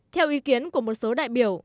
theo ý kiến của một số đại biểu